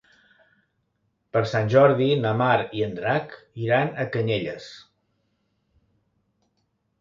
Per Sant Jordi na Mar i en Drac iran a Canyelles.